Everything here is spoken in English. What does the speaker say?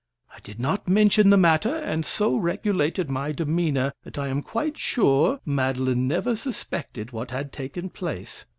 I did not mention the matter, and so regulated my demeanor that I am quite sure Madeline never suspected what had taken place.